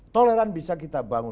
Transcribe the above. toleran bisa kita bangun